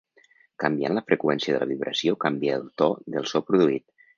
Canviant la freqüència de la vibració canvia el to del so produït.